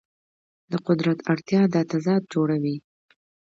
د قدرت اړتیا دا تضاد جوړوي.